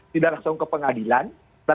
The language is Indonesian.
tidak langsung ke pengadilan